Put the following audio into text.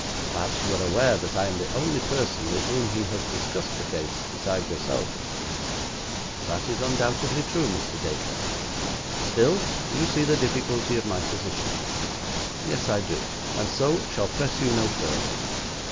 Perhaps you are aware that I am the only person with whom he has discussed the case beside yourself.' 'That is undoubtedly true, Mr. Dacre; still, you see the difficulty of my position.' 'Yes, I do, and so shall press you no further.